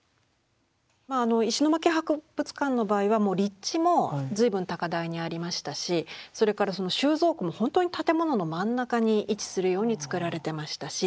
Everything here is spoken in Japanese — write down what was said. まああの石巻博物館の場合はもう立地も随分高台にありましたしそれからその収蔵庫もほんとに建物の真ん中に位置するように造られてましたし